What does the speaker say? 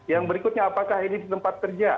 yang berikutnya apakah ini tempat kerja